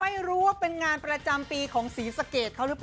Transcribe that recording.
ให้รู้ว่าเป็นงานประจำปีของสีสเกดเขาหรือป่ะ